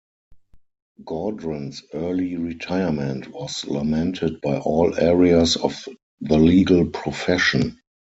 Gaudron's early retirement was lamented by all areas of the legal profession.